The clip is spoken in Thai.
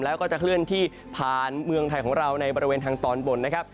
แล้วก็จะเคลื่อนที่ผ่านเมืองไทยของเราในบริเวณทางตอนบนนะครับ